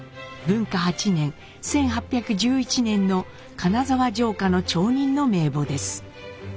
文化８年１８１１年の金沢城下の町人の名簿です。